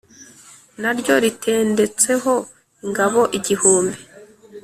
na ryo ritendetseho ingabo igihumbi,